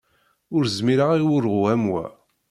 Ur zmireɣ i wurɣu am wa.